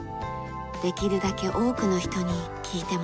できるだけ多くの人に聴いてもらいたい。